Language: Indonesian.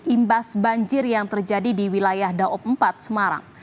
imbas banjir yang terjadi di wilayah daob empat semarang